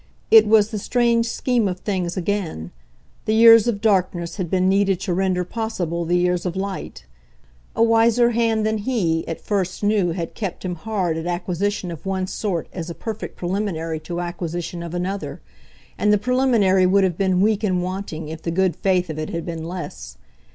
It was the strange scheme of things again: the years of darkness had been needed to render possible the years of light. A wiser hand than he at first knew had kept him hard at acquisition of one sort as a perfect preliminary to acquisition of another, and the preliminary would have been weak and wanting if the good faith of it had been less.